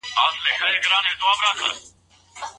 څنګه سوداګریز شرکتونه خالص زعفران عربي هیوادونو ته لیږدوي؟